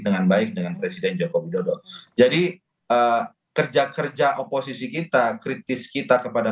dengan baik dengan presiden joko widodo jadi kerja kerja oposisi kita kritis kita kepada